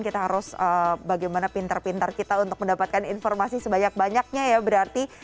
kita harus bagaimana pintar pintar kita untuk mendapatkan informasi sebanyak banyaknya ya berarti